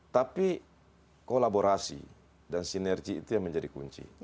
tapi kolaborasi dan sinergi itu yang menjadi kunci